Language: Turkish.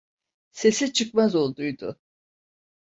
Sesi çıkmaz olduydu.